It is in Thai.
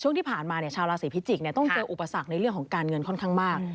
ช่วงที่ผ่านมาชาวราศีพิจิกษ์ต้องเจออุปสรรคในเรื่องของการเงินค่อนข้างมาก